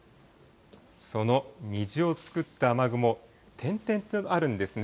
その虹を作った雨雲、点々とあるんですね。